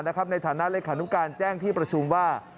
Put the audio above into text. ในฐานะเลขานุการแจ้งที่ประชุมว่า